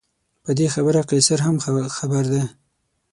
په دې خبره قیصر هم ښه خبر دی.